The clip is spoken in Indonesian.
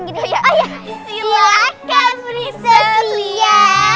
silahkan prinses lia